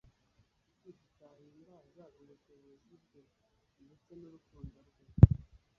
Kuki tutahimbaza ubushobozi bwe ndetse n'urukundo rwe?